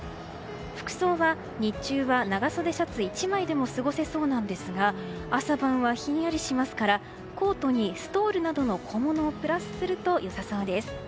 服装は日中は長袖シャツ１枚でも過ごせそうなんですが朝晩はひんやりとしますからコートにストールなどの小物をプラスすると良さそうです。